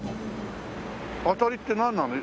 当たりってなんなの？